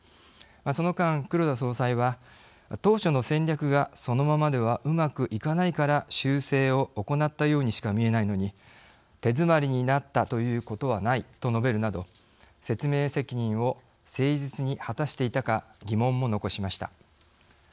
その間、黒田総裁は当初の戦略がそのままではうまくいかないから修正を行ったようにしか見えないのに「手詰まりになったということはない」と述べるなど説明責任を誠実に果たしていたか疑問も残しました。